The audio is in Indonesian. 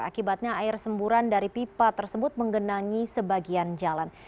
akibatnya air semburan dari pipa tersebut menggenangi sebagian jalan